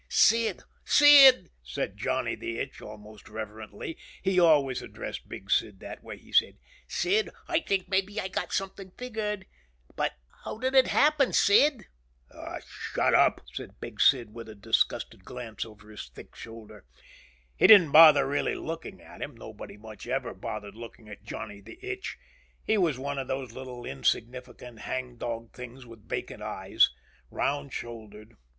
"Sid ... Sid," said Johnny the Itch almost reverently. He always addressed Big Sid that way. He said, "Sid, I think maybe I got something figured. But but how did it happen, Sid?" "Aw, shut up," said Big Sid with a disgusted glance over his thick shoulder. He didn't bother really looking at him. Nobody much ever had bothered looking at Johnny the Itch. He was one of those little insignificant hangdog things with vacant eyes. Round shouldered.